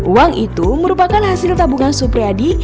uang itu merupakan hasil tabungan supriyadi